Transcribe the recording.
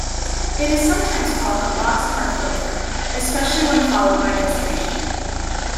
It is sometimes called a boxcar filter, especially when followed by decimation.